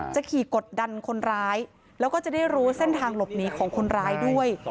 ขี่กดดันคนร้ายแล้วก็จะได้รู้เส้นทางหลบหนีของคนร้ายด้วย